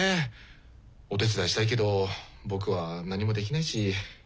お手伝いしたいけど僕は何もできないし。